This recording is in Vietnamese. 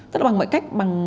tất cả bằng mọi cách